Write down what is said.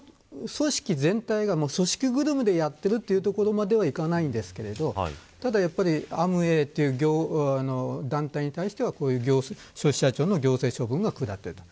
組織全体が組織ぐるみでやっているというところまではいかないんですけど、ただアムウェイという団体に対してはこうした消費者庁の行政処分が下っている。